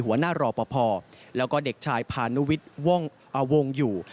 หัวหน้ารอปภแล้วก็เด็กชายพาณวิทย์วงอยู่